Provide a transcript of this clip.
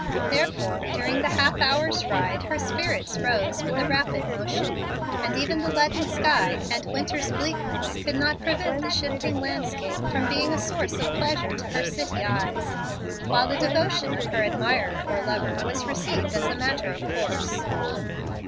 Therefore during the half hour's ride her spirits rose with the rapid motion, and even the leaden sky and winter's bleakness could not prevent the shifting landscape from being a source of pleasure to her city eyes, while the devotion of her admirer or lover was received as a matter of course.